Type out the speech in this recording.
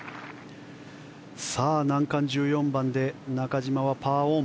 さあ、難関１４番で中島はパーオン。